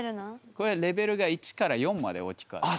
これレベルが１４まで大きくあって。